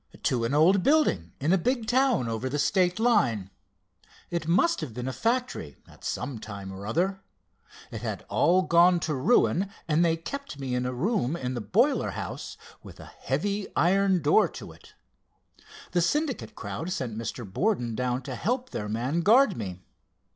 "To an old building in a big town over the state line. It must have been a factory, at some time or other. It had all gone to ruin, and they kept me in a room in the boiler house, with a heavy iron door to it. The Syndicate crowd sent Mr. Borden down to help their man guard me.